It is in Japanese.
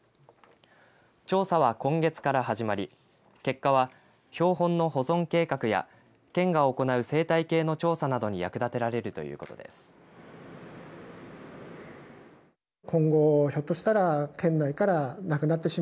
調査は今月から始まり結果は標本の保存計画や県が行う生態系の調査などに役立てられるということです。